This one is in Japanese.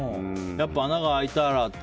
穴が開いたらって。